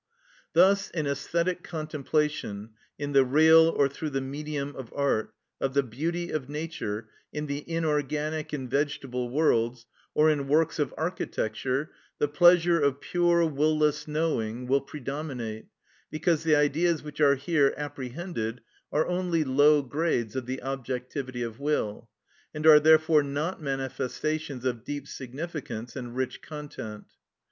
Thus in æsthetic contemplation (in the real, or through the medium of art) of the beauty of nature in the inorganic and vegetable worlds, or in works of architecture, the pleasure of pure will less knowing will predominate, because the Ideas which are here apprehended are only low grades of the objectivity of will, and are therefore not manifestations of deep significance and rich content.